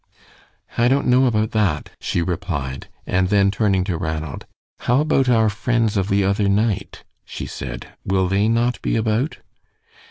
"I don't know about that," she replied; and then turning to Ranald, "How about our friends of the other night?" she said. "Will they not be about?"